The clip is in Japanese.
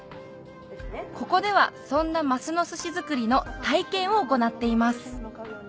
ここではそんなますのすし作りの体験を行っています